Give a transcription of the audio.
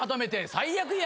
最悪や。